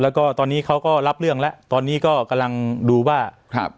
แล้วก็ตอนนี้เขาก็รับเรื่องแล้วตอนนี้ก็กำลังดูว่าครับ